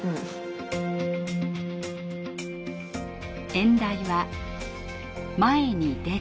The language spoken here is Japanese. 演題は「前に出る」。